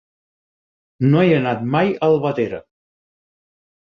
No he anat mai a Albatera.